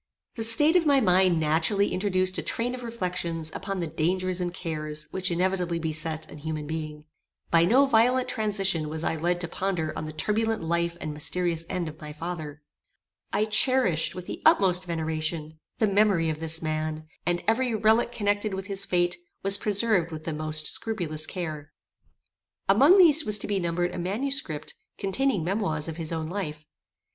The state of my mind naturally introduced a train of reflections upon the dangers and cares which inevitably beset an human being. By no violent transition was I led to ponder on the turbulent life and mysterious end of my father. I cherished, with the utmost veneration, the memory of this man, and every relique connected with his fate was preserved with the most scrupulous care. Among these was to be numbered a manuscript, containing memoirs of his own life.